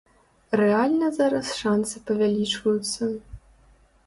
Рэальна зараз шанцы павялічваюцца.